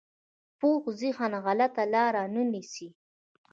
پوخ ذهن غلطه لاره نه نیسي